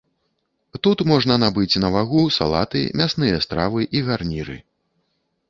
Тут можна набыць на вагу салаты, мясныя стравы і гарніры.